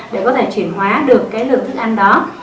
để có thể chuyển hóa được cái lượng thức ăn đó